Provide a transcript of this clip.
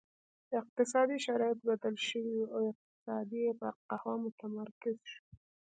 اقتصادي شرایط بدل شوي وو او اقتصاد یې پر قهوه متمرکز شو.